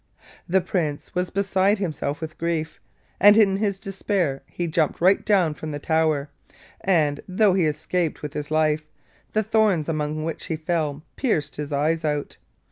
The Prince was beside himself with grief, and in his despair he jumped right down from the tower, and, though he escaped with his life, the thorns among which he fell pierced his eyes out.